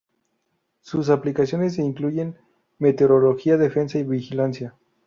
Sus aplicaciones incluyen meteorología, defensa y vigilancia.